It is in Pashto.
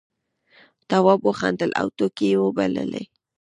تواب وخندل او ټوکې یې وبللې.